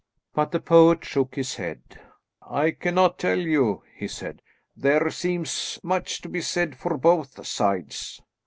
But the poet shook his head. "I cannot tell you," he said. "There seems much to be said for both sides."